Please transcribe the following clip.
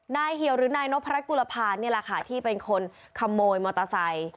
เหี่ยวหรือนายนพรกุลภานนี่แหละค่ะที่เป็นคนขโมยมอเตอร์ไซค์